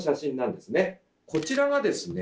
こちらがですね